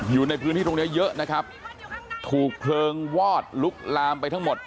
อยู่ในพื้นที่ตรงเนี้ยเยอะนะครับถูกเพลิงวอดลุกลามไปทั้งหมด